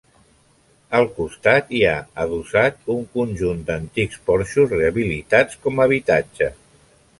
Al costat hi ha, adossat un conjunt d'antics porxos rehabilitats com a habitatge.